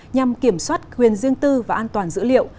nhằm kiểm soát quyền riêng tư và an toàn dữ liệu